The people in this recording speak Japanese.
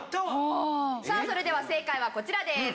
さあそれでは正解はこちらです。